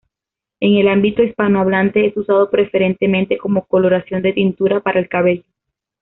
En el ámbito hispanohablante es usado preferentemente como coloración de tintura para el cabello.